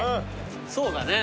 そうだね。